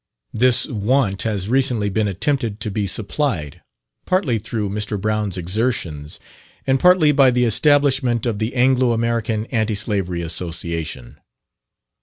This want has recently been attempted to be supplied, partly through Mr. Brown's exertions, and partly by the establishment of the Anglo American Anti Slavery Association.